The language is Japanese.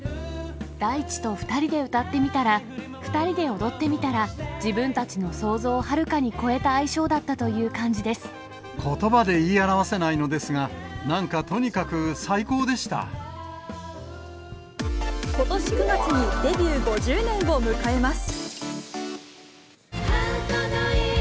大知と２人で歌ってみたら、２人で踊ってみたら、自分たちの想像をはるかに超えた相性だったことばで言い表せないのですことし９月に、デビュー５０年を迎えます。